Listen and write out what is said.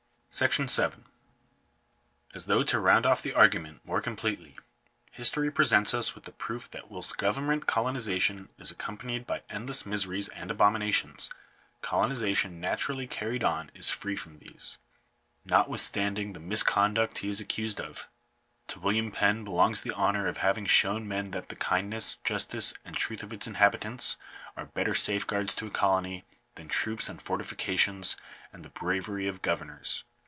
§ 7. As though to round off the argument more completely, his tory presents us with proof that whilst government coloniza tion is accompanied by endless miseries and abominations, colonization naturally carried on is free from these. Notwith standing the misconduct he is accused of, to William Penn belongs the honour of having shown men that the kindness, justice, and truth of its inhabitants, are better safeguards to a colony than troops and fortifications and the bravery of go vernors.